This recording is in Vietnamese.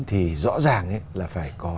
thì rõ ràng là phải có